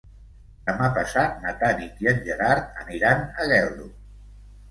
Demà passat na Tanit i en Gerard aniran a Geldo.